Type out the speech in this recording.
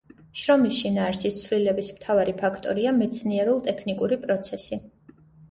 შრომის შინაარსის ცვლილების მთავარი ფაქტორია მეცნიერულ-ტექნიკური პროცესი.